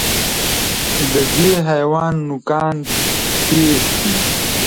د دې حیوان نوکان تېز دي.